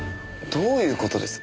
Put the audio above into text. どういう事です？